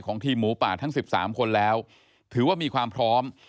ทีมหมูป่าทั้ง๑๓คนแล้วถือว่ามีความพร้อม